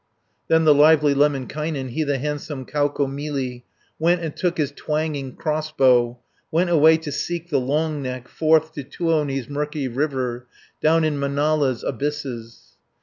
Then the lively Lemminkainen He the handsome Kaukomieli, Went and took his twanging crossbow, Went away to seek the Long neck, Forth to Tuoni's murky river, Down in Manala's abysses.